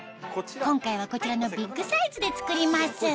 今回はこちらのビッグサイズで作ります